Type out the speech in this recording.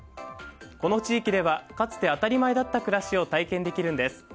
この地域ではかつて当たり前だった暮らしを体験できるんです。